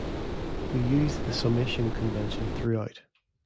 We use the summation convention throughout.